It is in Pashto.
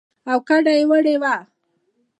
او کډه يې وړې وه.